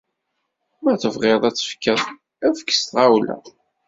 Ma tebɣiḍ ad tefkeḍ, efk s tɣawla.